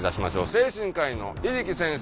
精神科医の入來先生